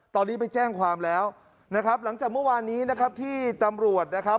ตอนนี้ไปแจ้งความแล้วหลังจากเมื่อวานนี้ที่ตำรวจ